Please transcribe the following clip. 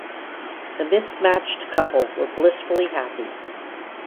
The mismatched couple were blissfully happy.